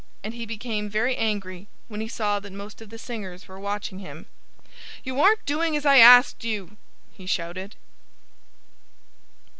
And he became very angry when he saw that most of the singers were watching him. "You aren't doing as I asked you!" he shouted.